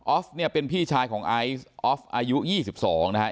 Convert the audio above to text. เนี่ยเป็นพี่ชายของไอซ์ออฟอายุ๒๒นะครับ